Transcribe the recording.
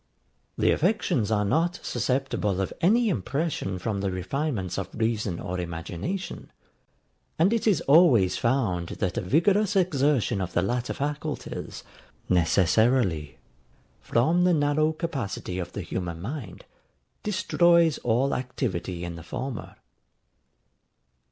The affections are not susceptible of any impression from the refinements of reason or imagination; and it is always found that a vigorous exertion of the latter faculties, necessarily, from the narrow capacity of the human mind, destroys all activity in the former.